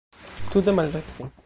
Tute malrekte!